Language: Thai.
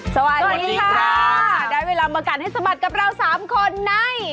สวัสดีค่ะได้เวลามากัดให้สะบัดกับเราสามคนใน